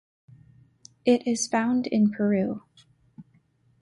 It is found in Peru.